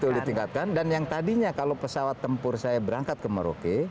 betul ditingkatkan dan yang tadinya kalau pesawat tempur saya berangkat ke merauke